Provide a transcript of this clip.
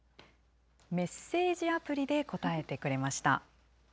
メッセージアプリで答えてくれました。